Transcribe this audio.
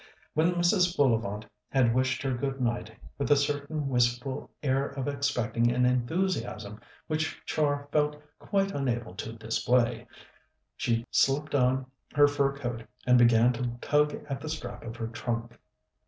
When Mrs. Bullivant had wished her good night, with a certain wistful air of expecting an enthusiasm which Char felt quite unable to display, she slipped on her fur coat and began to tug at the strap of her trunk.